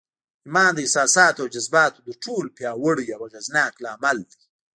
ايمان د احساساتو او جذباتو تر ټولو پياوړی او اغېزناک لامل دی.